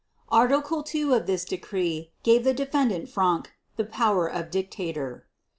Article 2 of this decree gave the Defendant Frank the power of dictator.